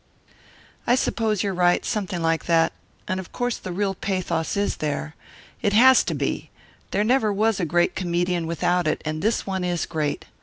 "I suppose you're right something like that. And of course the real pathos is there. It has to be. There never was a great comedian without it, and this one is great.